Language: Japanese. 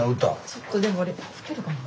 ちょっとでも吹けるかな。